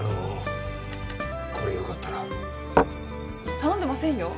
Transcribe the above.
頼んでませんよ。